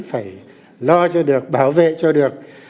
phải lo cho được bảo vệ cho được